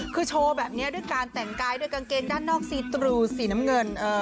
คือโชว์แบบนี้ด้วยการแต่งกายด้วยกางเกงด้านนอกซีตรูสีน้ำเงิน